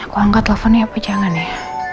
aku angkat teleponnya apa jangan ya